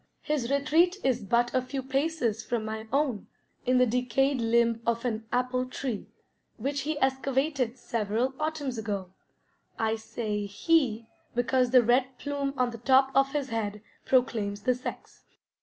His retreat is but a few paces from my own, in the decayed limb of an apple tree, which he excavated several autumns ago. I say "he" because the red plume on the top of his head proclaims the sex.